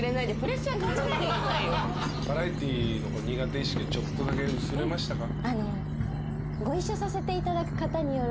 バラエティーの苦手意識はちょっとだけ薄れましたか？